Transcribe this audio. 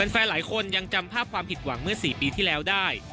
หลายคนยังจำภาพความผิดหวังเมื่อ๔ปีที่แล้วได้